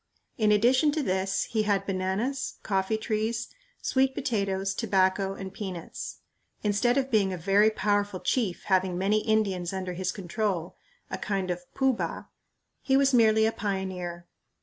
In addition to this, he had bananas, coffee trees, sweet potatoes, tobacco, and peanuts. Instead of being "a very powerful chief having many Indians under his control" a kind of "Pooh Bah" he was merely a pioneer.